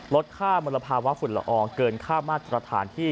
ลดค่ามลภาวะฝุ่นละอองเกินค่ามาตรฐานที่